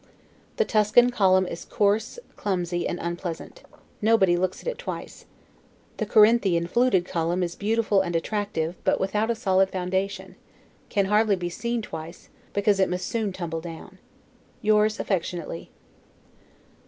The Tuscan column is coarse, clumsy, and unpleasant; nobody looks at it twice; the Corinthian fluted column is beautiful and attractive; but without a solid foundation, can hardly be seen twice, because it must soon tumble down. Yours affectionately.